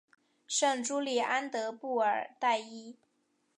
圣朱利安德布尔代伊。